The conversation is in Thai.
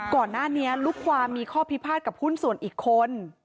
ก่อนหน้านี้ลูกความมีข้อพิพาทกับหุ้นส่วนอีกคน